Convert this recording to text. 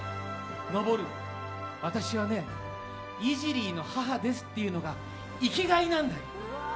昇、私はねイジリーの母ですっていうのが生きがいなんだよと。